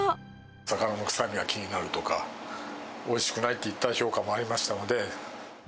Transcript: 魚の臭みが気になるとか、おいしくないといった評価もありましたので。